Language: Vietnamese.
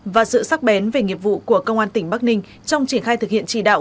và sự sắc bén về nghiệp vụ của công an tỉnh bắc ninh trong triển khai thực hiện chỉ đạo